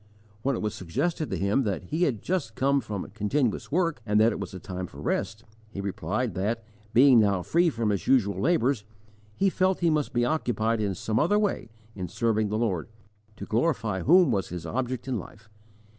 When it was suggested to him that he had just come from continuous work, and that it was a time for rest, he replied that, being now free from his usual labours, he felt he must be occupied in some other way in serving the Lord, to glorify whom was his object in life.